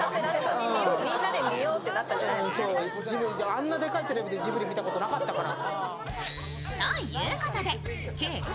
あんなでかいテレビでジブリ見たことなかったから。